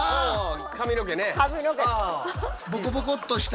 髪の毛ね。